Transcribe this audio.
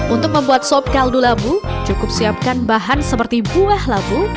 untuk membuat sop kaldu labu cukup siapkan bahan seperti buah labu